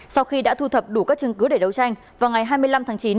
sau khi đã thu thập đủ các chứng cứ để đấu tranh vào ngày hai mươi năm tháng chín